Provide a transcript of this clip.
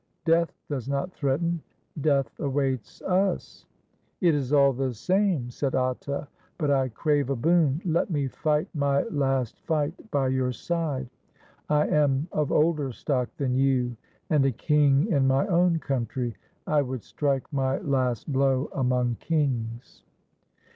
Death does not threaten. Death awaits us." "It is all the same," said Atta. "But I crave a boon. Let me fight my last fight by your side. I am of older stock than you, and a king in my own country. I would strike my last blow among kings."